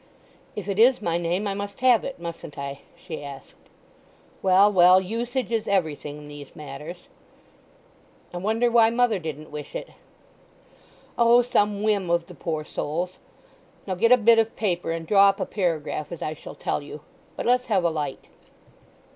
"If it is my name I must have it, mustn't I?" she asked. "Well, well; usage is everything in these matters." "I wonder why mother didn't wish it?" "Oh, some whim of the poor soul's. Now get a bit of paper and draw up a paragraph as I shall tell you. But let's have a light."